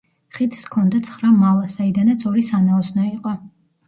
ხიდს ჰქონდა ცხრა მალა, საიდანაც ორი სანაოსნო იყო.